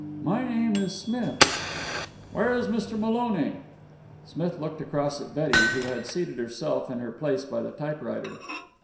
"My name is Smith." "Where is Mr. Maloney?" Smith looked across at Betty, who had seated herself in her place by the typewriter.